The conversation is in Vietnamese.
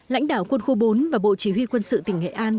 lãnh đạo quân khu bốn và bộ chỉ huy quân sự tỉnh nghệ an